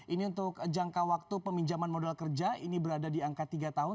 ini untuk jangka waktu peminjaman modal kerja ini berada di angka tiga tahun